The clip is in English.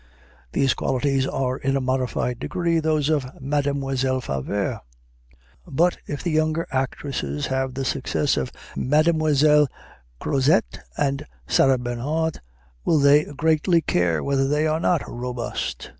(These qualities are in a modified degree those of Mademoiselle Favart.) But if the younger actresses have the success of Mesdemoiselles Croizette and Sarah Bernhardt, will they greatly care whether they are not "robust"?